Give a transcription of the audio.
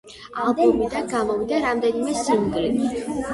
ალბომიდან გამოვიდა რამდენიმე სინგლი.